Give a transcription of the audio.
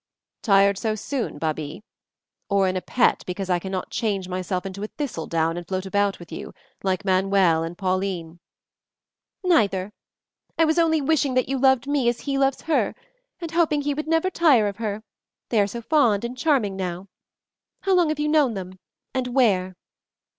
"Tired so soon, Babie? Or in a pet because I cannot change myself into a thistledown and float about with you, like Manuel and Pauline?" "Neither; I was only wishing that you loved me as he loves her, and hoping he would never tire of her, they are so fond and charming now. How long have you known them and where?"